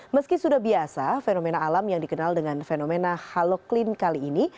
meski sudah biasa fenomena alam yang dikenal dengan fenomena haloklin kali ini